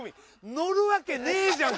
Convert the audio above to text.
「乗るわけねぇじゃん！」